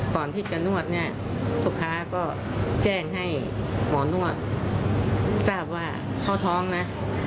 ก่อนที่จะนวดเนี่ยลูกค้าก็แจ้งให้หมอนวดทราบว่าเขาท้องนะ